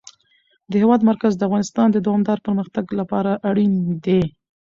د هېواد مرکز د افغانستان د دوامداره پرمختګ لپاره اړین دي.